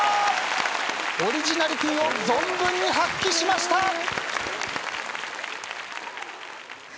オリジナリティーを存分に発揮しました！